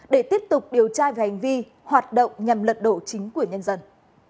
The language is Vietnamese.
để tiếp tục điều tra về hành vi hoạt động nhằm lật đổ chính quyền nhân dân